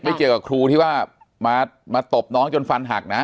เกี่ยวกับครูที่ว่ามาตบน้องจนฟันหักนะ